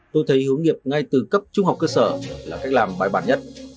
tôi thấy hướng nghiệp ngay từ cấp trung học cơ sở là cách làm bài bản nhất